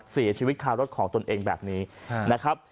เป็นผู้เสียชีวิตค่ารถข้อตนเองแบบนี้ครับ